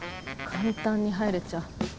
簡単に入れちゃう。